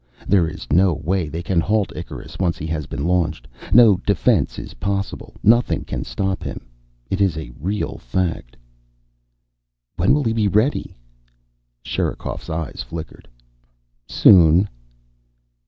There is no way they can halt Icarus, once he has been launched. No defense is possible. Nothing can stop him. It is a real fact." "When will he be ready?" Sherikov's eyes flickered. "Soon."